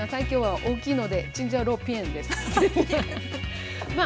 今日は大きいので「チンジャオロー『ピエン』」です。